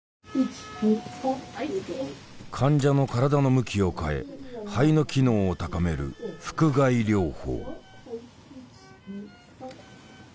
患者の体の向きを変え肺の機能を高める腹臥位療法。